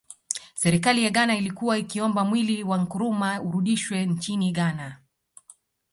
Serikali ya Ghana ilikuwa ikiomba mwili wa Nkrumah urudishwe nchini Ghana